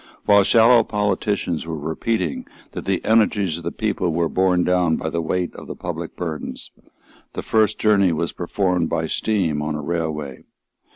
While shallow politicians were repeating that the energies of the people were borne down by the weight of the public burdens, the first journey was performed by steam on a railway.